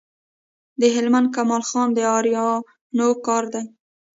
د هلمند کمال خان د آرینو کار دی